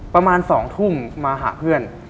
ประมาณ๒ทุ่มมาหาเพื่อน